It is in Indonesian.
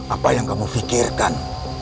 apa yang kamu fikirkan